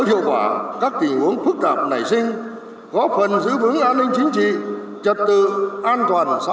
hiệu quả các tình huống phức tạp nảy sinh góp phần giữ vững an ninh chính trị trật tự an toàn xã hội